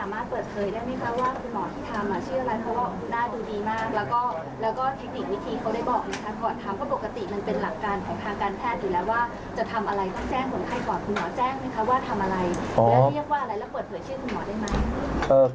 คุณหมอแจ้งไหมคะว่าทำอะไรแล้วเรียกว่าอะไรแล้วเปิดเผยชื่อคุณหมอได้ไหม